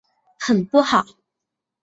很不好！